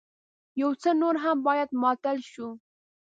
يو څه نور هم بايد ماتل شو.